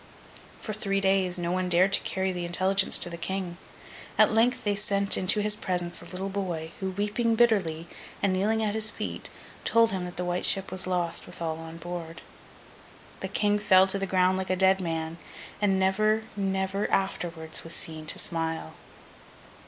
For three days, no one dared to carry the intelligence to the King. At length, they sent into his presence a little boy, who, weeping bitterly, and kneeling at his feet, told him that The White Ship was lost with all on board. The King fell to the ground like a dead man, and never, never afterwards, was seen to smile.